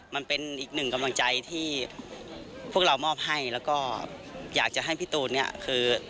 มันเป็นอีกหนึ่งกำลังใจที่พวกเรามอบให้แล้วก็อยากจะให้พี่ตูนเนี่ยคือ